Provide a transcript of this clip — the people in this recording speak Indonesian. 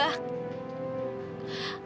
lama kenal sama aku